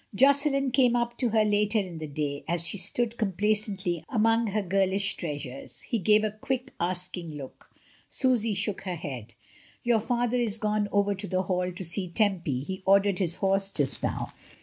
Josselin came up to her later in the day as she stood complacently among her girlish treasures. He gave a quick, asking look. Susy shook her head — "Your father is gone over to the Hall to see Tempy — he ordered his horse just now.